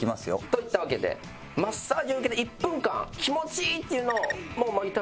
といったわけでマッサージを受けて１分間気持ちいいっていうのを食レポと一緒です。